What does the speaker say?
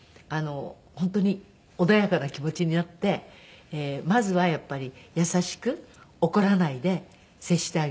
本当に穏やかな気持ちになってまずはやっぱり優しく怒らないで接してあげる。